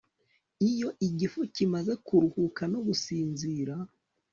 Iyo igifu kimaze kuruhuka no gusinzira